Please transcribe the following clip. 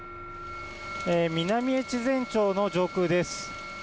南越前町の上空です。